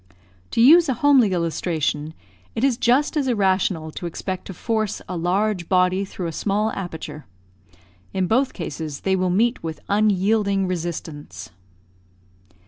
To use a homely illustration, it is just as irrational to expect to force a large body through a small aperture. In both cases they will meet with unyielding resistance.